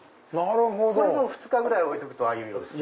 これも２日ぐらい置いとくとああいう色です。